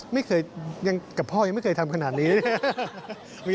กับพ่อยังไม่เคยทำขนาดนี้